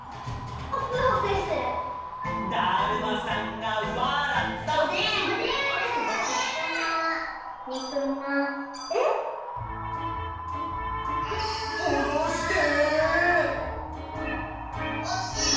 だるまさんがわらった！